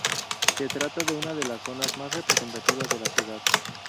Se trata de una de las zonas más representativas de la ciudad.